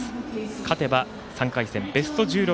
勝てば３回戦、ベスト１６。